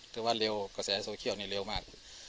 แต่ว่าเร็วกระแสโซเชียลนี่เร็วมาก